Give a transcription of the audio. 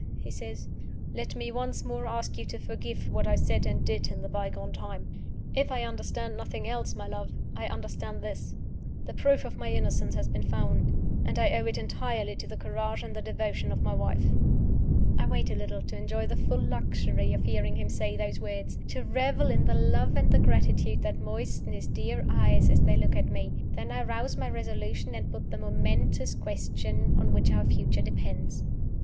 he says; "let me once more ask you to forgive what I said and did in the bygone time. If I understand nothing else, my love, I understand this: The proof of my innocence has been found; and I owe it entirely to the courage and the devotion of my wife!" I wait a little, to enjoy the full luxury of hearing him say those words to revel in the love and the gratitude that moisten his dear eyes as they look at me. Then I rouse my resolution, and put the momentous question on which our future depends.